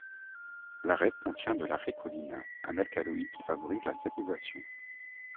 L'arec contient de l'arécoline, un alcaloïde qui favorise la salivation.